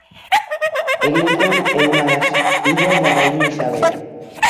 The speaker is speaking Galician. Eglinton é unha das Illas da Raíña Isabel.